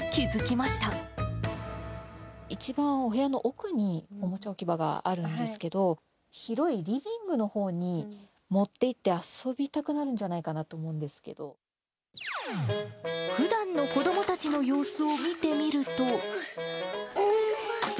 一番、お部屋の奥におもちゃ置き場があるんですけど、広いリビングのほうに持っていって遊びたくなるんじゃないかなとふだんの子どもたちの様子を重い。